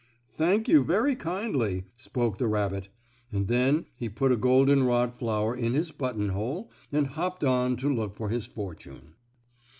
"Thank you very kindly," spoke the rabbit, and then he put a golden rod flower in his button hole and hopped on to look for his fortune.